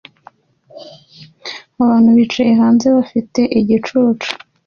Abantu bicaye hanze bafite igicucu